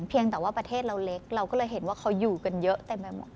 เพียงแต่ว่าประเทศเราเล็กเราก็เลยเห็นว่าเขาอยู่กันเยอะเต็มไปหมด